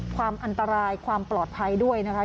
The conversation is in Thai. ความอันตรายความปลอดภัยด้วยนะคะ